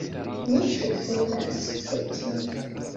Mi preferas Fotini.